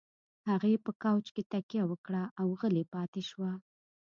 هغې په کاوچ کې تکيه وکړه او غلې پاتې شوه.